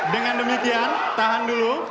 dengan demikian tahan dulu